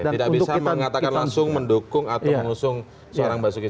oke tidak bisa mengatakan langsung mendukung atau mengusung